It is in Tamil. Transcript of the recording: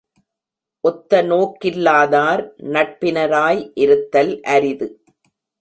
ஒத்த நோக்கில்லாதார் நட்பினராய் இருத்தல் அரிது.